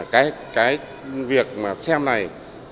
cái việc mà xem này